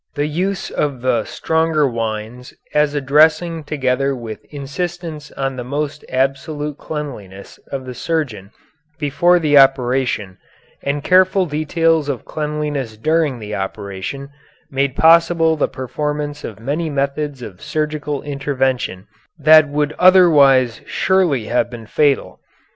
The use of the stronger wines as a dressing together with insistence on the most absolute cleanliness of the surgeon before the operation, and careful details of cleanliness during the operation, made possible the performance of many methods of surgical intervention that would otherwise surely have been fatal.